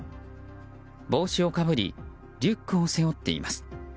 帽子をかぶりリュックを背負っています。